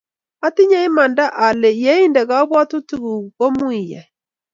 atinye imanda ale ye inde kabwotutikuk ko muiyai